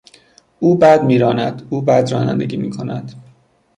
او بد میراند، او بد رانندگی میکند.